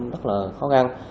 rất là khó khăn